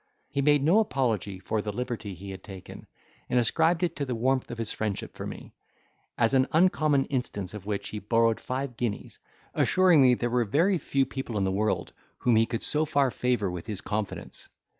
He made no apology for the liberty he had taken, and ascribed it to the warmth of his friendship for me; as an uncommon instance of which he borrowed five guineas, assuring me there were very few people in the world whom he would so far favour with his confidence.